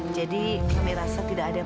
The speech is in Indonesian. jadi kami rasa tidak ada yang